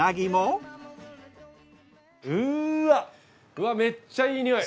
うわめっちゃいい匂い。